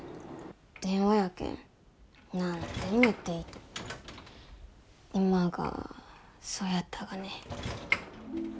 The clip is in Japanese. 電話やけん何でも言っていいと今がそうやったがね？